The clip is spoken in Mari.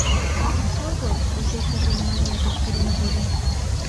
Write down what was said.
— Шого! — почешыже Марья кычкырен кодо.